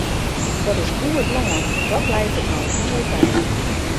Dat is goed lân en dat leit der no moai by.